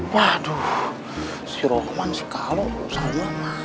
waduh si roman si karlo sama sama